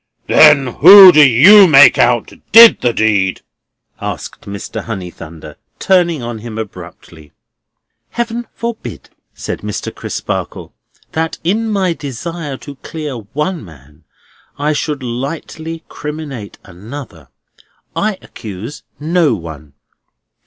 "Then who do you make out did the deed?" asked Mr. Honeythunder, turning on him abruptly. "Heaven forbid," said Mr. Crisparkle, "that in my desire to clear one man I should lightly criminate another! I accuse no one."